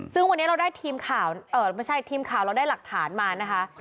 ซึ่งวันนี้เราได้ทีมข่าวไม่ใช่ทีมข่าวเราได้หลักฐานมานะคะ